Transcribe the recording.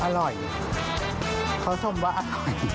อร่อยเขาชมว่าอร่อย